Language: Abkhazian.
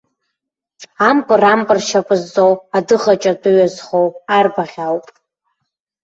Ампыр, ампыр шьапы зҵоу, адыӷаҷа тәыҩа зхоу арбаӷь ауп!